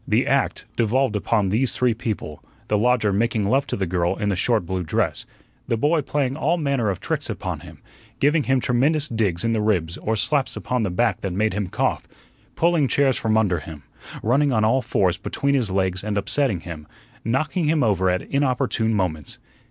The "act" devolved upon these three people; the lodger making love to the girl in the short blue dress, the boy playing all manner of tricks upon him, giving him tremendous digs in the ribs or slaps upon the back that made him cough, pulling chairs from under him, running on all fours between his legs and upsetting him, knocking him over at inopportune moments.